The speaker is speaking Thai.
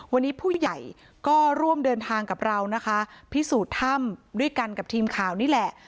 วันนี้ผู้ใหญ่ก็ร่วมเดินทางกับเรานะคะพิสูจน์ถ้ำด้วยกันกับทีมข่าวนี่แหละ